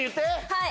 はい！